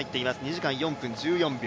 ２時間４分１４秒。